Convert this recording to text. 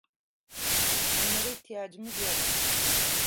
Onlara ihtiyacımız yok.